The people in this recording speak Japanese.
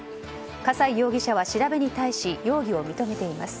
笠井容疑者は調べに対し容疑を認めています。